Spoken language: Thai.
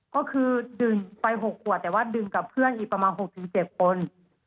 ก็คือดึงไป๖ขวดแต่ว่าดึงกับเพื่อนอีกประมาณ๖๗คน